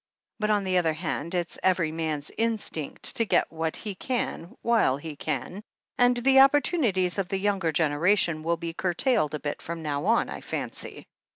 But, on the other hand, it's every man's instinct to get what he can, while he can — ^and the opportunities of the younger generation will be curtailed a bit from now on, I fancy.